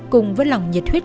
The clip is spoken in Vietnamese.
cùng với lòng nhiệt huyết